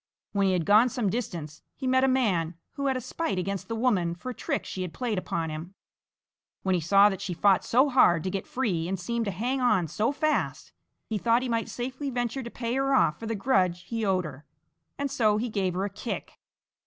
When he had gone some distance, he met a man who had a spite against the woman for a trick she had played upon him. When he saw that she fought so hard to get free and seemed to hang on so fast, he thought he might safely venture to pay her off for the grudge he owed her, and so he gave her a kick.